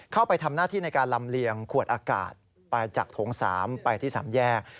เข้าไปทำหน้าที่ในการลำเลียงขวดอากาศไปจากโถง๓ไปที่๓แยก